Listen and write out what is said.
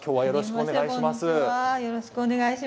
よろしくお願いします。